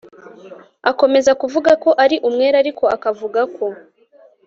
akomeza kuvuga ko ari umwere ariko akavuga ko